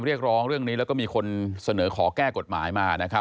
เรียกร้องเรื่องนี้แล้วก็มีคนเสนอขอแก้กฎหมายมานะครับ